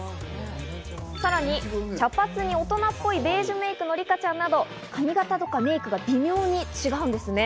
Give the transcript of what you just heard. さらに茶髪に大人っぽいベージュメイクのリカちゃんなど、髪形とかメイクが微妙に違うんですね。